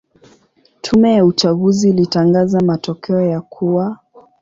Tume ya uchaguzi ilitangaza matokeo ya kuwa